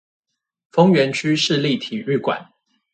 豐原區市立體育館